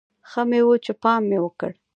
ښه مې و چې پام مې وکړ.